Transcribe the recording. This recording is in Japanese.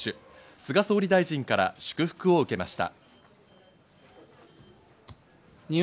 菅総理大臣から祝福を受けました。